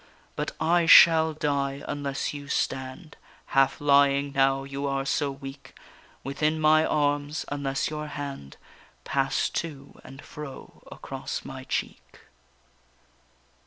But I shall die unless you stand, Half lying now, you are so weak, Within my arms, unless your hand Pass to and fro across my cheek.